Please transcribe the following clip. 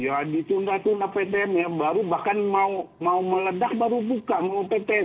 ya ditunda tunda ptm nya baru bahkan mau meledak baru buka mau ptm